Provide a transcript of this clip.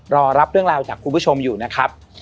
รอรับเรื่องราวจากคุณผู้ชมอยู่นะครับ